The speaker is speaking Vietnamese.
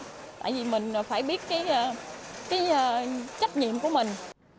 tại vì mình phải biết cái trách nhiệm của mình